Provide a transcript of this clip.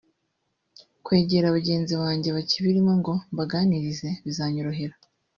kwegera bagenzi banjye bakibirimo ngo mbaganirize bizanyorohera